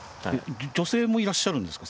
女性もいらっしゃるんですか？